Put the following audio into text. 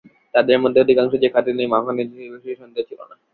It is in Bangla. তাদের মধ্যে অধিকাংশ যে খাঁটি নয়, মাখনের সে বিষয়ে সন্দেহ ছিল না।